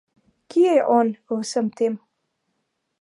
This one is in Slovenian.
Kje je on v vsem tem?